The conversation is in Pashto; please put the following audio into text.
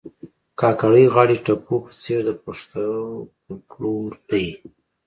کاکړۍ غاړي ټپو په څېر د پښتو فولکور دي